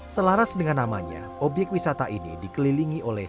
selaras dengan namanya obyek wisata ini dikelilingi oleh